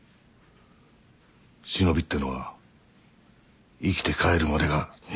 忍びってのは生きて帰るまでが任務だ。